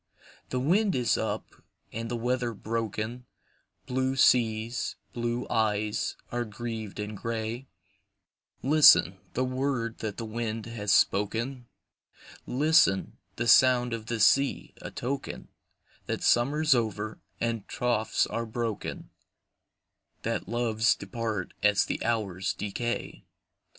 The wind is up, and the weather broken, Blue seas, blue eyes, are grieved and grey, Listen, the word that the wind has spoken, Listen, the sound of the sea,—a token That summer's over, and troths are broken,— That loves depart as the hours decay.